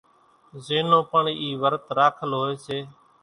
زين نون پڻ اِي ورت راکل ھوئي سي